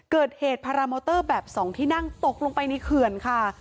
เกิดเหตุพาราเมาเตอร์แบบ๒ที่นั่งตกลงไปในเขื่อนค่ะ